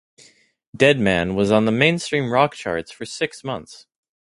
Deadman' was on the mainstream rock charts for six months.